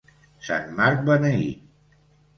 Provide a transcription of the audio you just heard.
Sant Marc beneït!